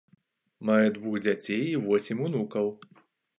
Мае двух дзяцей і восем унукаў.